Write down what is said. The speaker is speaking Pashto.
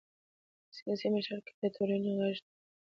سیاسي مشارکت د ټولنې غږ دی